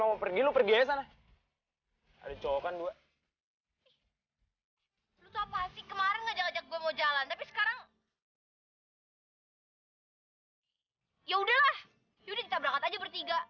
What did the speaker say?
aduh gue harus ke kamar mandi